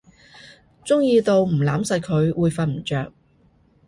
中意到唔攬實佢會瞓唔著